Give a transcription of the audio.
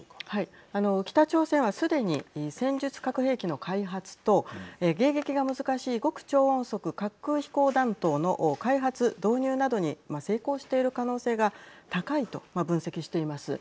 北朝鮮はすでに戦術核兵器の開発と迎撃が難しい極超音速滑空飛行弾頭の開発・導入などに成功している可能性が高いとはい。